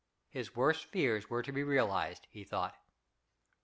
His worst fears were to be realized, he thought.